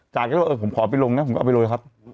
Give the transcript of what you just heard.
จ่าก็บอกเออผมขอไปลงนะผมก็เอาไปโดยครับ